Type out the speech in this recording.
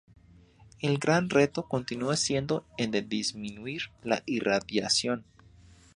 El gran reto continúa siendo en de disminuir la irradiación.